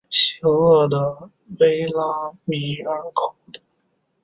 邪恶的维拉米尔寇等。